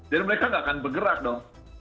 mereka nggak akan bergerak dong